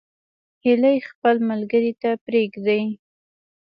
هیلۍ خپل ملګري نه پرېږدي